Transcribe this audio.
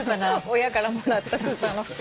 親からもらったスーパーの袋。